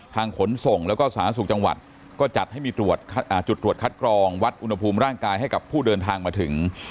ขนส่งแล้วก็สาธารณสุขจังหวัดก็จัดให้มีตรวจจุดตรวจคัดกรองวัดอุณหภูมิร่างกายให้กับผู้เดินทางมาถึง